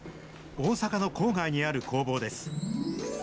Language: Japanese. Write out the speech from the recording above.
大阪の郊外にある工房です。